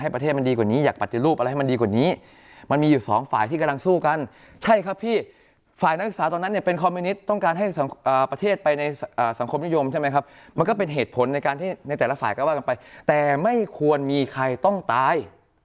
เป็นคอมมิวนิสต์ต้องการให้ประเทศไปในสังคมนิยมใช่ไหมครับมันก็เป็นเหตุผลในการที่ในแต่ละฝ่ายก็ว่ากันไปแต่ไม่ควรมีใครต้องตาย